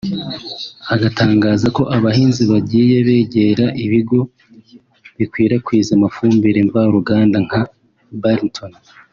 Atangaza ko abahinzi bagiye begera ibigo bikwirakwiza amafumbire mva ruganda nka Balton